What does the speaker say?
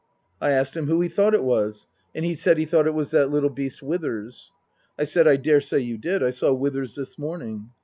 I asked him who he thought it was, and he said he thought it was that little beast Withers. I said, " I daresay you did. I saw Withers this morning."